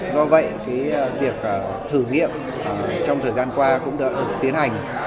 do vậy việc thử nghiệm trong thời gian qua cũng đã được tiến hành